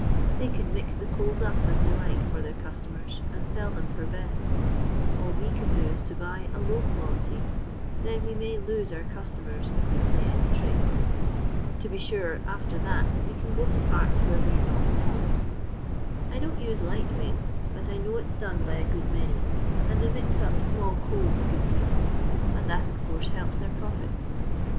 They can mix the coals up as they like for their customers, and sell them for best ; all we can do is to boy a low quality ; then we may lose our customers if we play any tricks. To be sure, afUr that we can go to parts where we're not known. I don't use light weights, but I know it 's done by a good many, and they mix up small coals a good deal, and that of course helps their profits.